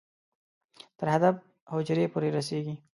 تر هدف حجرې پورې رسېږي.